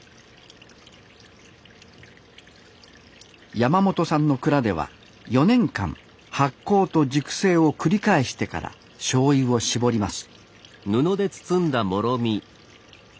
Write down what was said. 山本さんの蔵では４年間発酵と熟成を繰り返してからしょうゆを搾ります